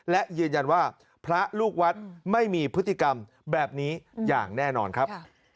และยืนยันว่าพระลูกวัดไม่มีพฤติกรรมแบบนี้อย่างแน่นอนครับ